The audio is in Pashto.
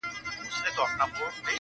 پروت په سترګو کي مي رنګ رنګ د نسو دی.